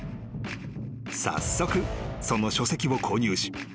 ［早速その書籍を購入し］